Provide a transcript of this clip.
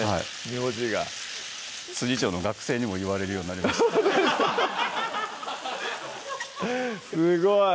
名字が調の学生にも言われるようになりましたすごい！